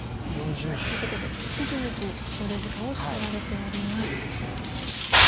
ということで引き続き考慮時間を使われております。